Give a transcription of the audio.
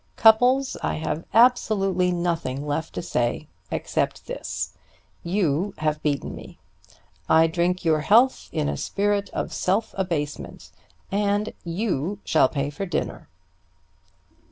Cupples, I have absolutely nothing left to say, except this: you have beaten me. I drink your health in a spirit of self abasement. And you shall pay for the dinner."